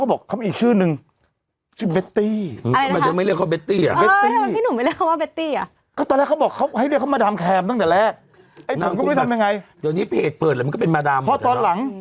โอ้มดามแคมแต่มีคนลงเพื่อนนาง